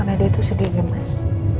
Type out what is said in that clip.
karena dia tuh sedih mas